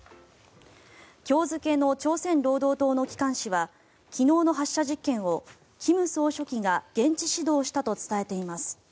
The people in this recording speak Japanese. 今日付の朝鮮労働党の機関紙は昨日の発射実験を金総書記が現地指導したと伝えています。